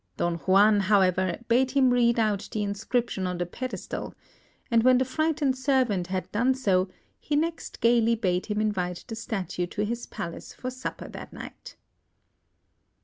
Don Juan, however, bade him read out the inscription on the pedestal; and when the frightened servant had done so, he next gaily bade him invite the Statue to his palace for supper that night.